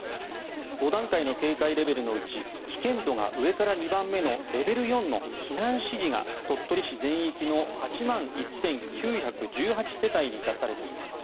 ５段階の警戒レベルのうち危険度が上から２番目のレベル４の避難指示が鳥取市全域の８万１９１８世帯に出されています。